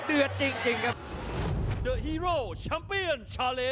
เดือดจริงครับ